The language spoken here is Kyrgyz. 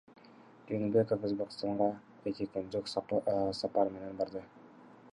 Жээнбеков Өзбекстанга эки күндүк сапар менен барды.